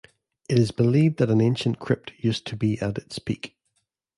It is believed that an ancient crypt used to be at its peak.